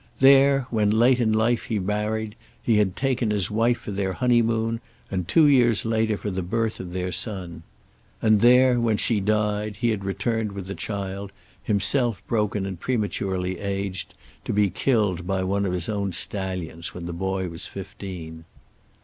There, when late in life he married, he had taken his wife for their honeymoon and two years later, for the birth of their son. And there, when she died, he had returned with the child, himself broken and prematurely aged, to be killed by one of his own stallions when the boy was fifteen.